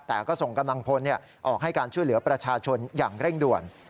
แต่ก็ส่งกำลังพลออกให้การช่วยเหลือประชาชนอย่างเร่งด่วน